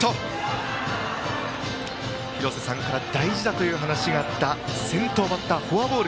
廣瀬さんから大事だというお話があった先頭バッターがフォアボール。